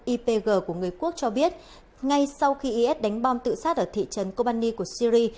ipg của người quốc cho biết ngay sau khi is đánh bom tự sát ở thị trấn kobani của syri